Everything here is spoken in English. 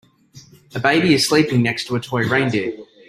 A baby is sleeping next to a toy reindeer.